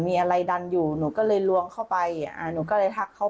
นี่ฮะทางผู้เสียหายเธอก็บอกว่า